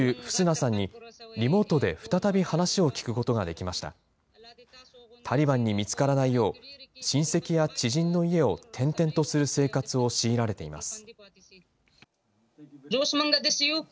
タリバンに見つからないよう、親戚や知人の家を転々とする生活を強いられています。